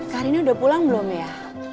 karinnya udah pulang belum ya